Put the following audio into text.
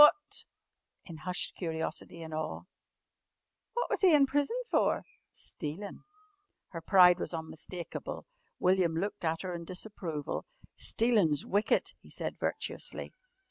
What " in hushed curiosity and awe "what was he in prison for?" "Stealin'." Her pride was unmistakable. William looked at her in disapproval. "Stealin's wicked," he said virtuously.